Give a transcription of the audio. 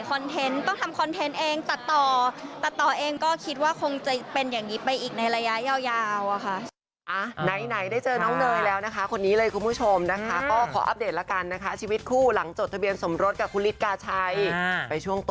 คอนเท็นต์ต้องทำคอนเท็นต์เองดัดต่อ